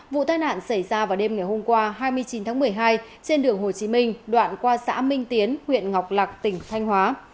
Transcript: vụ tai nạn xảy ra vào đêm ngày hôm qua hai mươi chín tháng một mươi hai trên đường hồ chí minh đoạn qua xã minh tiến huyện ngọc lạc tỉnh thanh hóa